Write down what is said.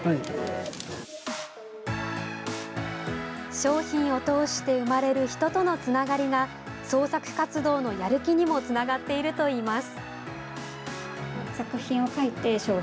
商品を通して生まれる人とのつながりが創作活動のやる気にもつながっているといいます。